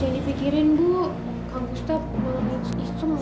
jangan dipikirin bu kang gustaf malah bilang gitu